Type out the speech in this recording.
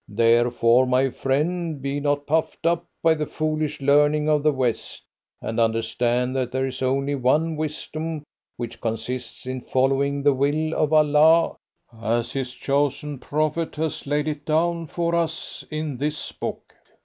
Therefore, my friend, be not puffed up by the foolish learning of the West, and understand that there is only one wisdom, which consists in following the will of Allah as His chosen prophet has laid it down for us in this book.